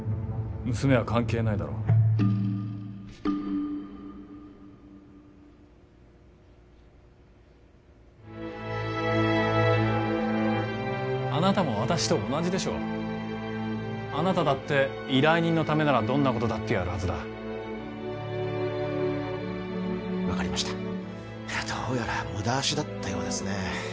娘は関係ないだろあなたも私と同じでしょうあなただって依頼人のためならどんなことだってやるはずだ分かりましたどうやら無駄足だったようですね